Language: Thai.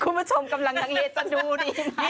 คุณผู้ชมกำลังทังเลียจะดูดีนะ